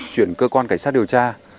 chuyển cơ quan cảnh sát điều tra